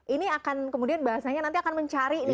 ini akan kemudian bahasanya nanti akan mencari nih